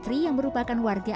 kita belajar tentang